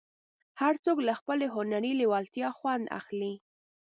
هر څوک له خپلې هنري لېوالتیا خوند اخلي.